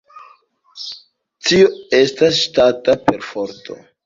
Tio estas ŝtata perforto.